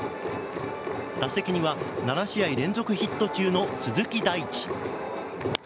打席には７試合連続ヒット中の鈴木大地。